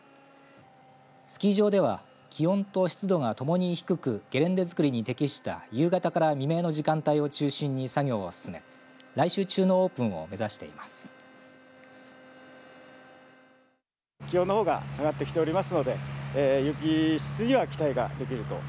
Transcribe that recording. スキー場では気温と湿度がともに低くゲレンデづくりに適した夕方から未明の時間帯を中心に作業を進め、来週中のオープンを目指しています。